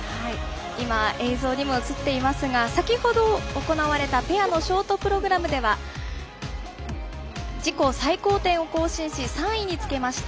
今、映像にも映っていますが先ほど、行われたペアのショートプログラムでは自己最高点を更新し３位につけました。